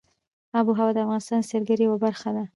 آب وهوا د افغانستان د سیلګرۍ یوه برخه ده.